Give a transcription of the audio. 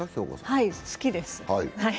はい、好きです。